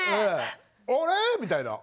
あれ⁉みたいな。